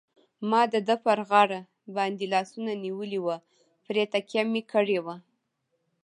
ما د ده پر غاړه باندې لاسونه نیولي وو، پرې تکیه مې کړې وه.